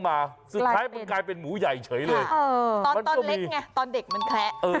มันกลายเป็นหมูใหญ่เฉยเลย